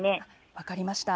分かりました。